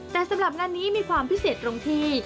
แต่สำหรับงานนี้มีความพิเศษตรงที่